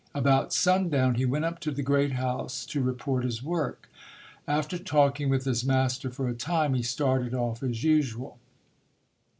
About sundown, he went up to the great house to report his work. After talking with his master for a time he started off as usual.